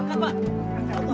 gak ada yang ngapa